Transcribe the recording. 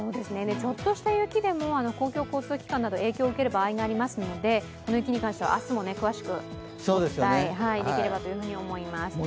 ちょっとした雪でも公共交通機関、影響を受ける場合がありますのでこの雪に関しては明日も詳しくお伝えできればと思います。